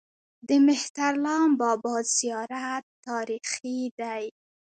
د مهترلام بابا زیارت تاریخي دی